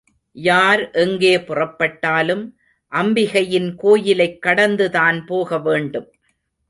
யார் எங்கே புறப்பட்டாலும், அம்பிகையின் கோயிலைக் கடந்துதான் போகவேண்டும்.